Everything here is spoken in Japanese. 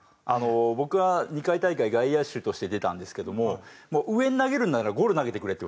僕は２回大会外野手として出たんですけども上に投げるならゴロ投げてくれって言われました。